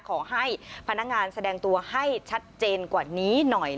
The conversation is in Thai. ขอให้พนักงานแสดงตัวให้ชัดเจนกว่านี้หน่อย